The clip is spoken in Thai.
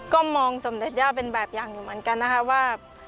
ก็มองสมเด็จย่าเป็นแบบอย่างอยู่เหมือนกันนะคะว่า